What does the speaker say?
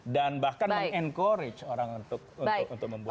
dan bahkan mengencourage orang untuk membuat